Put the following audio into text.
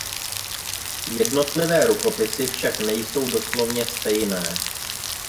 Jednotlivé rukopisy však nejsou doslovně stejné.